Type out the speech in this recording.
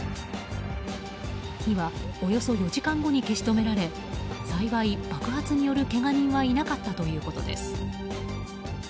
火はおよそ４時間後に消し止められ幸い爆発によるけが人はいなかったということです。